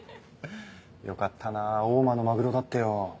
よかったな大間のマグロだってよ。